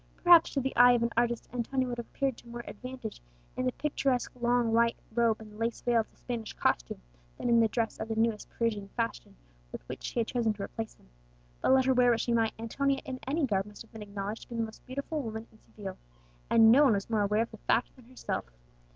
Perhaps to the eye of an artist Antonia would have appeared more to advantage in the picturesque long white robe and lace veil of the Spanish costume, than in the dress of the newest Parisian fashion with which she had chosen to replace them. But let her wear what she might, Antonia in any garb must have been acknowledged to be the most beautiful woman in Seville; and no one was more aware of the fact than herself.